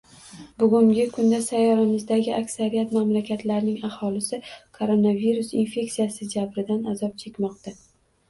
Bugungi kunda sayyoramizdagi aksariyat mamlakatlarning aholisi koronavirus infeksiyasi jabridan azob chekmoqda